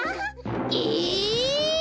え！？